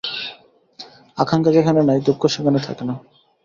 আকাঙ্ক্ষা যেখানে নাই, দুঃখ সেখানে থকে না।